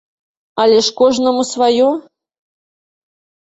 Але ж кожнаму сваё.